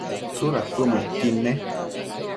¿tsudad cuëdmëdquid ne?